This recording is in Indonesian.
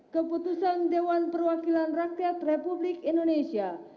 keputusan dewan perwakilan rakyat republik indonesia